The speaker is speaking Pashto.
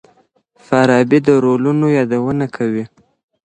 فارابي د رولونو يادونه کوي.